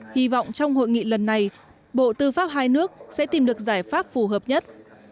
hy vọng trong hội nghị lần này bộ tư pháp hai nước sẽ tìm được giải pháp phù hợp nhất